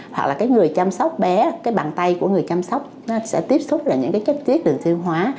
hoặc là cái người chăm sóc bé cái bàn tay của người chăm sóc nó sẽ tiếp xúc là những cái chất tiết đường tiêu hóa